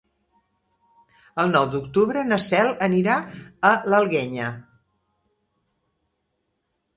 El nou d'octubre na Cel anirà a l'Alguenya.